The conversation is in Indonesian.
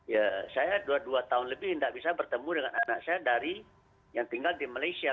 ya saya dua dua tahun lebih tidak bisa bertemu dengan anak saya dari yang tinggal di malaysia